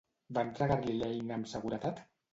Va entregar-li l'eina amb seguretat?